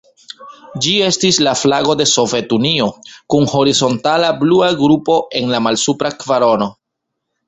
Ĝi estis la flago de Sovetunio, kun horizontala blua grupo en la malsupra kvarono.